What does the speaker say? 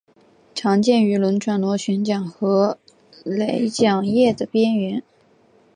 常见于轮船螺旋桨和泵桨叶的边缘。